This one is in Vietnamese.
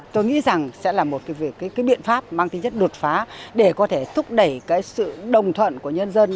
tôi nghĩ rằng sẽ là một cái biện pháp mang tính chất đột phá để có thể thúc đẩy cái sự đồng thuận của nhân dân